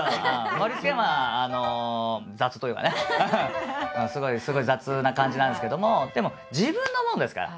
盛りつけはまああの雑というかねすごい雑な感じなんですけどもでも自分のものですから。